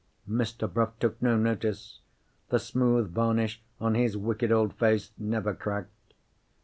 Mr. Bruff took no notice. The smooth varnish on his wicked old face never cracked.